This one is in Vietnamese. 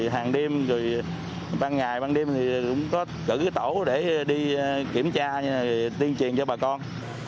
hàng đêm ban ngày ban đêm cũng có cử tổ để đi kiểm tra tuyên truyền cho bà con